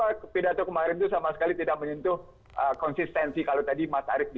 jadi artinya kenapa pidato kemarin itu sama sekali tidak menyentuh konsistensi kalau tadi mas arief dijawab jadi kenapa